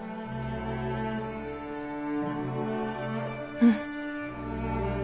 うん。